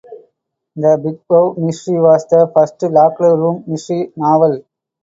"The Big Bow Mystery" was the first locked room mystery novel.